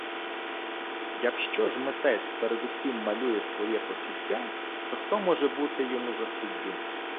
Якщо ж митець передусім малює своє почуття, то хто може бути йому за суддю?